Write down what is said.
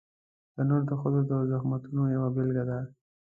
تنور د ښځو د زحمتونو یوه بېلګه ده